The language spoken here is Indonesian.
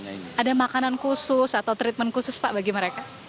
ada makanan khusus atau treatment khusus pak bagi mereka